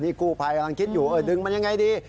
กู้ภัยกำลังคิดอยู่เออดึงมันยังไงดี